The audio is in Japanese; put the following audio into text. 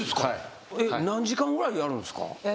何時間ぐらいやるんすか？